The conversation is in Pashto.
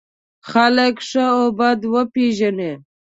خلک ښه او بد وپېژني.